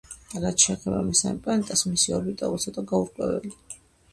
რაც შეეხება მესამე პლანეტას, მისი ორბიტა ცოტა გაურკვეველია.